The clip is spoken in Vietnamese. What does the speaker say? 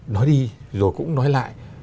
nói đi rồi cũng nói lại